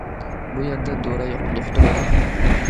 بۇ يەردە دورا يوق، دوختۇر يوق.